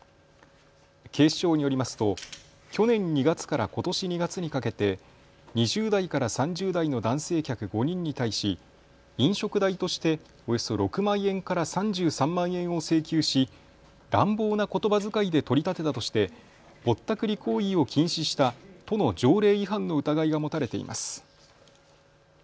警視庁によりますと去年２月からことし２月にかけて２０代から３０代の男性客５人に対し飲食代としておよそ６万円から３３万円を請求し乱暴なことばづかいで取り立てたとしでぼったくり行為を禁止した都の条例違反の疑いが持たれています。